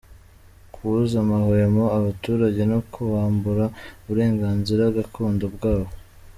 – Kubuza amahwemo abaturage no kubambura uburenganzira gakondo bwabo;